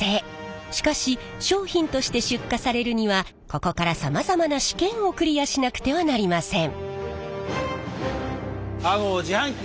しかし商品として出荷されるにはここからさまざまな試験をクリアしなくてはなりません。